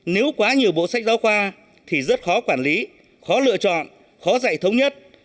nếu quá nhiều bộ sách giáo khoa thì rất khó quản lý khó lựa chọn khó dạy thống nhất